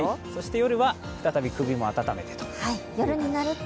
夜は、再び首も温めてと。